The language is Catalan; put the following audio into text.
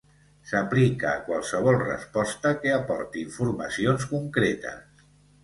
S'aplica a qualsevol resposta que aporti informacions concretes.